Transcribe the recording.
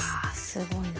すごいな。